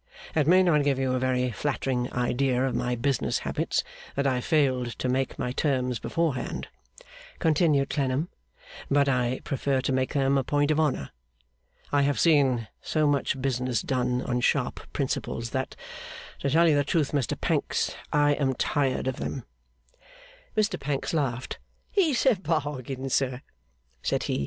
It may not give you a very flattering idea of my business habits, that I failed to make my terms beforehand,' continued Clennam; 'but I prefer to make them a point of honour. I have seen so much business done on sharp principles that, to tell you the truth, Mr Pancks, I am tired of them.' Mr Pancks laughed. 'It's a bargain, sir,' said he.